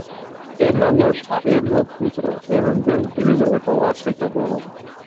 Една ноќ, едно утро, еден ден или додека оваа свеќа догори?